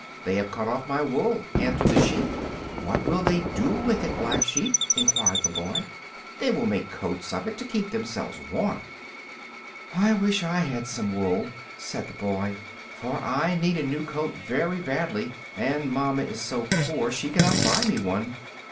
"They have cut off my wool," answered the sheep. [Illustration: The Black Sheep] "What will they do with it, Black Sheep?" enquired the little boy. "They will make coats of it, to keep themselves warm." "I wish I had some wool," said the boy, "for I need a new coat very badly, and mamma is so poor she cannot buy me one."